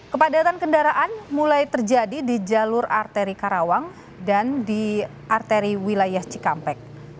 kepadatan kendaraan mulai terjadi di jalur arteri karawang dan di arteri wilayah cikampek